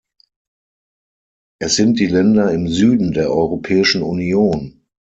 Es sind die Länder im Süden der Europäischen Union.